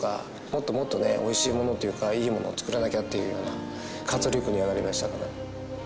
もっともっとねおいしいものをというかいいものを作らなきゃっていうような活力になりましたかね。